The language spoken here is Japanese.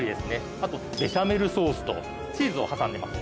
あとベシャメルソースとチーズを挟んでいます。